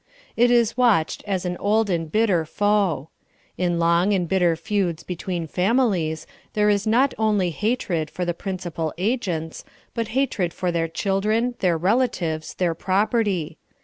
It is watched as an old and bitter foe. In long and bitter feuds between families there is not only hatred for the principal agents, but hatred for their children, their relatives, their prop erty.